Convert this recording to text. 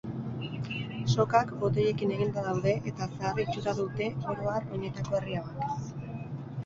Sokak botoiekin eginda daude eta zahar itxura dute oro har oinetako berri hauek.